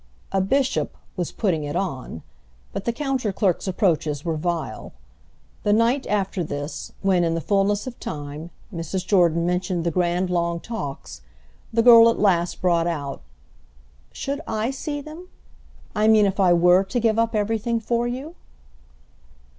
"A bishop" was putting it on, but the counter clerk's approaches were vile. The night, after this, when, in the fulness of time, Mrs. Jordan mentioned the grand long talks, the girl at last brought out: "Should I see them?—I mean if I were to give up everything for you."